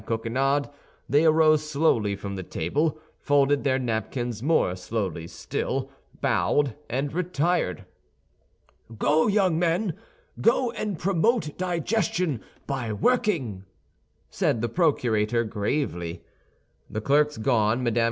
Coquenard, they arose slowly from the table, folded their napkins more slowly still, bowed, and retired. "Go, young men! go and promote digestion by working," said the procurator, gravely. The clerks gone, Mme.